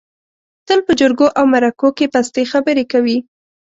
تل په جرګو او مرکو کې پستې خبرې کوي.